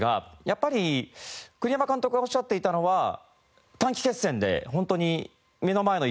やっぱり栗山監督がおっしゃっていたのは短期決戦で本当に目の前の一戦を取らなければいけない。